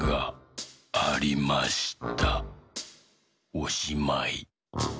おしまい。